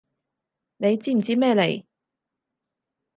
你知唔知咩嚟？